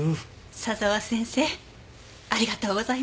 佐沢先生ありがとうございます。